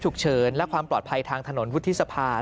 ถูกเชิญและความปลอดภัยทางถนนวุฒิษภาษณ์